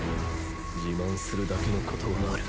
自慢するだけのことはある。